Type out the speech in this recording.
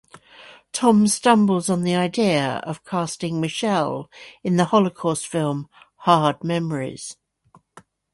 Tom stumbles on the idea of casting Michelle in the Holocaust film "Hard Memories".